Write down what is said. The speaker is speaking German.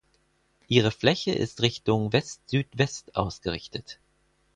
Ihre Fläche ist Richtung Westsüdwest ausgerichtet.